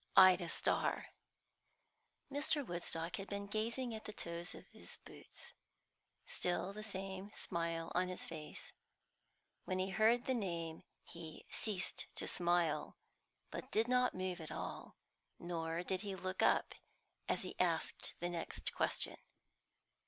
"Ida Starr." Mr. Woodstock had been gazing at the toes of his boots, still the same smile on his face. When he heard the name he ceased to smile, but did not move at all. Nor did he look up as he asked the next question.